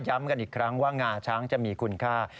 กันอีกครั้งว่างาช้างจะมีคุณค่า